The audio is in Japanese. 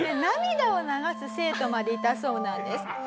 涙を流す生徒までいたそうなんです。